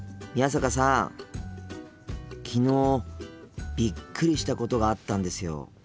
昨日びっくりしたことがあったんですよ。